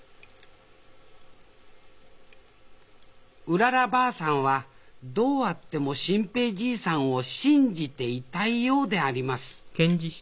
うららばあさんはどうあっても新平じいさんを信じていたいようであります